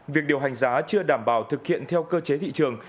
việc điều hành giá chưa đảm bảo thực hiện theo cơ chế thị trường